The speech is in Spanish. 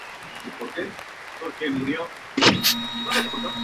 Es doctor en Filosofía, Tecnología y Sociedad por la Universidad Complutense de Madrid.